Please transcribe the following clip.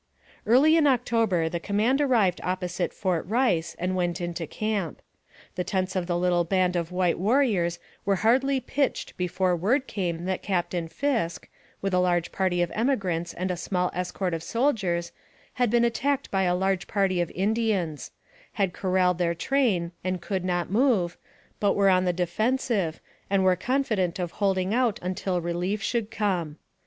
Early in October the command arrived opposite Fort Rice, and went into camp. The tents of the little band of white warriors were hardly pitched before word came that Captain Fisk, with a large party of emigrants and a small escort of soldiers, had been attacked by a large party of Indians ; had corralled their train, and could not move, but were on the Bed Cloud, the Orator Sioux Chief. AMONG THE SIOUX INDIANS. 265 defensive, and were confident of holding out until relief should come.